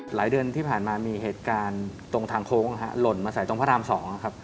หลายเดือนที่ผ่านมามีเหตุการณ์ตรงทางโค้งหล่นมาใส่ตรงพระราม๒ครับ